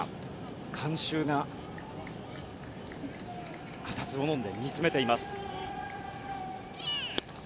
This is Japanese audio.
観衆が固唾をのんで見つめています。